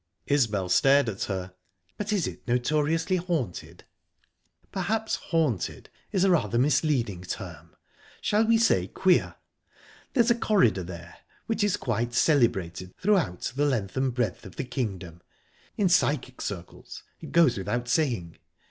Isbel stared at her. "But is it notoriously haunted?" "Perhaps 'haunted' is a rather misleading term. Shall we say queer? There's a corridor there which is quite celebrated throughout the length and breadth of the kingdom in psychic circles, it goes without saying.